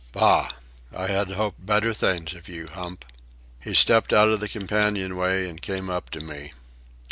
Bah! I had hoped better things of you, Hump." He stepped out of the companion way and came up to me.